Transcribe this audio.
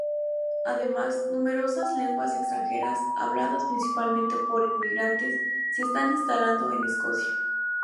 Además, numerosas lenguas extranjeras, habladas principalmente por inmigrantes, se están instalando en Escocia.